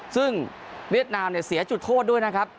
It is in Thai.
ซึ่งเวียดนามเนี่ยเสียจุดโทษด้วยนะครับ